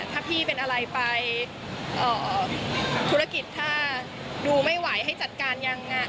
ถ้าพี่เป็นอะไรไปธุรกิจถ้าดูไม่ไหวให้จัดการยังไง